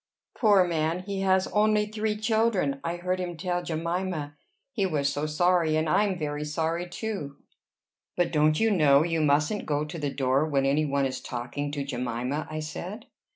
"Poor man! he has only three children. I heard him tell Jemima. He was so sorry! And I'm very sorry, too." "But don't you know you mustn't go to the door when any one is talking to Jemima?" I said.